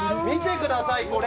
見てください